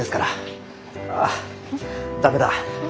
あっ駄目だ。